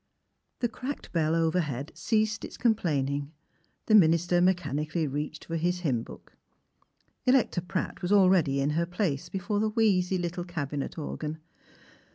The cracked bell overhead ceased its complain ing; the minister mechanically reached for his hymn book. Electa Pratt was already in her place before the wheezy little cabinet organ.